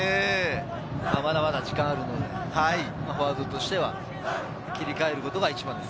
まだまだ時間はあるので、フォワードとしては切り替えることが一番です。